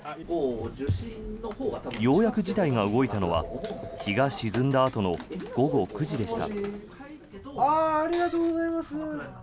ようやく事態が動いたのは日が沈んだあとの午後９時でした。